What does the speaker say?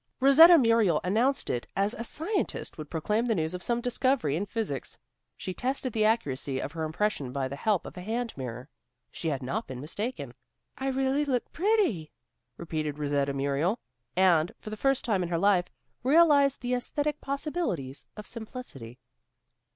Rosetta Muriel announced it as a scientist would proclaim the news of some discovery in physics. She tested the accuracy of her impression by the help of a hand mirror. She had not been mistaken. "I really look pretty," repeated Rosetta Muriel, and, for the first time in her life, realized the æsthetic possibilities of simplicity.